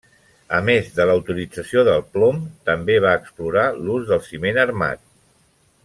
A més de la utilització del plom, també va explorar l'ús del ciment armat.